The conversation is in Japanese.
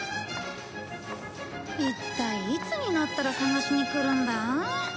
一体いつになったら探しに来るんだ？